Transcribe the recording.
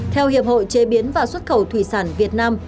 theo hiệp hội chế biến và xuất khẩu thủy sản việt nam